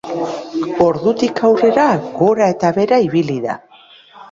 Ordutik aurrera gora eta behera ibili da.